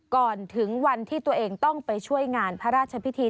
ก่อนถึงวันที่ตัวเองต้องไปช่วยงานพระราชพิธี